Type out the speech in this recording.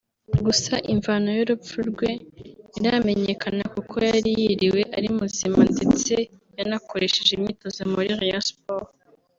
gusa imvano y’urupfu rwe ntiramenyekana kuko yari yiriwe ari muzima ndetse yanakoresheje imyitozo muri Rayon Sports